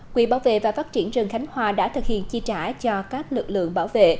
quỹ bảo vệ và phát triển rừng khánh hòa đã thực hiện chi trả cho các lực lượng bảo vệ